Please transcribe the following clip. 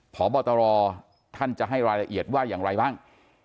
พบตรท่านจะให้รายละเอียดว่าอย่างไรบ้าง